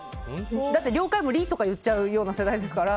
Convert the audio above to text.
だって了解も「り」って言っちゃう世代ですから。